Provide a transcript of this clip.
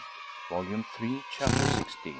Volume Three, Chapter XVI.